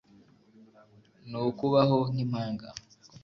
ni ukubaho nk'impanga.